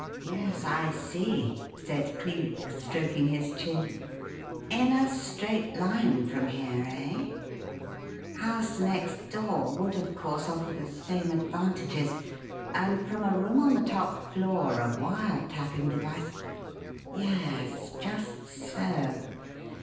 "H'm! Yes! I see!" said Cleek, stroking his chin. "In a straight line from here, eh? House next door would, of course, offer the same advantages; and from a room on the top floor a wire tapping device Yes, just so!